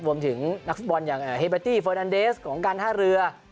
นักฟุตบอลอย่างเฮเบอร์ตี้เฟอร์นันเดสของการท่าเรือ